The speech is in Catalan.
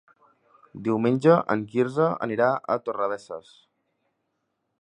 Diumenge en Quirze anirà a Torrebesses.